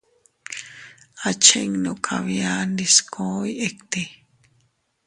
Achinnu kabia ndiskoy itti.